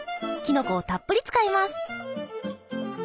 きのこをたっぷり使います。